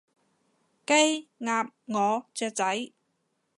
雞，鴨，鵝，雀仔